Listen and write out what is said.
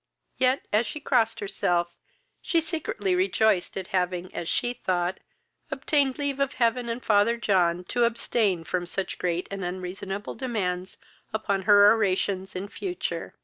Yet, as she crossed herself, she secretly rejoiced at having, as she thought, obtained leave of heaven and father John to abstain from such great and unreasonable demands upon her oraisons in future.